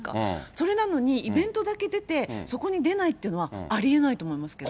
それなのに、イベントだけ出て、そこに出ないっていうのは、ありえないと思いますけど。